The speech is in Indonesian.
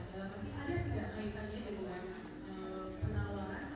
kurang lebih nilai berapa